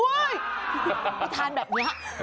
พิธานแบบนี้